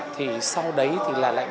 thì sau đấy thì là